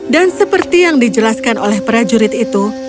dan seperti yang dijelaskan oleh prajurit itu